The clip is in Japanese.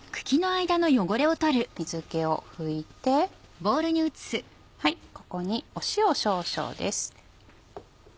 水気を拭いてここに塩少々です。